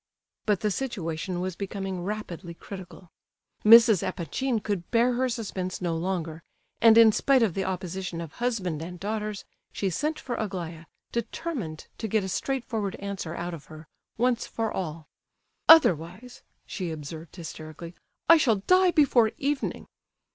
But the situation was becoming rapidly critical. Mrs. Epanchin could bear her suspense no longer, and in spite of the opposition of husband and daughters, she sent for Aglaya, determined to get a straightforward answer out of her, once for all. "Otherwise," she observed hysterically, "I shall die before evening."